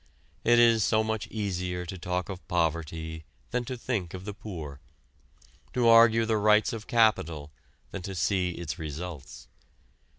It is so much easier to talk of poverty than to think of the poor, to argue the rights of capital than to see its results.